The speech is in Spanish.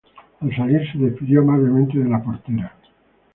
Al salir, se despidió amablemente de la portera.